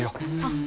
あっ。